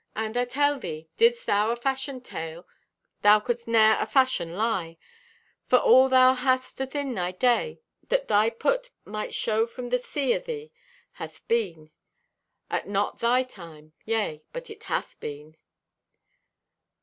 And I tell thee, didst thou afashion tale thou couldst ne'er afashion lie, for all thou hast athin thy day that thy put might show from the see o' thee hath been; at not thy time, yea, but it hath been."